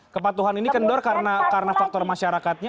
kepatuhan ini kendor karena faktor masyarakatnya